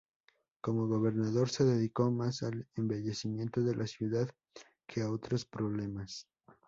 Como gobernador se dedicó más al embellecimiento de la Ciudad que a otros problemas.